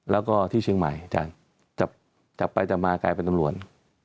แล้วก็ที่เชียงใหม่จับไปจะมากลายเป็นตำรวจ